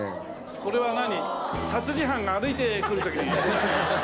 これは何？